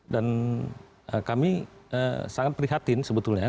dan kami sangat prihatin sebetulnya